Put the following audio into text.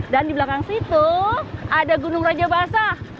dan di belakang situ ada gunung raja basah